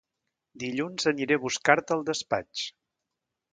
Dilluns aniré a buscar-te al despatx